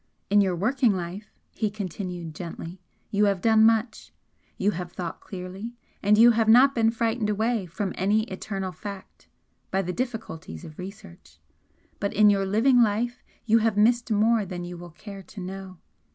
"In your working life," he continued, gently, "you have done much. You have thought clearly, and you have not been frightened away from any eternal fact by the difficulties of research. But in your living life you have missed more than you will care to know.